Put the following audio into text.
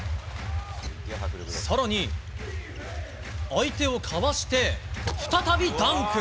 更に、相手をかわして再びダンク！